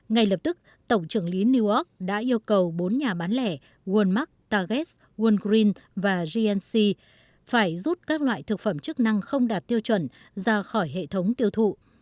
ngay lập tức tổng trưởng lý new york đã yêu cầu bốn nhà bán lẻ walmark target walgreen và gnc phải rút các loại thực phẩm chức năng không đạt tiêu chuẩn ra khỏi hệ thống tiêu thụ